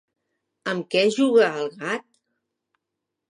Amb què juga el gat?